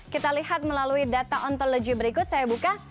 kita lihat melalui data ontologi berikut saya buka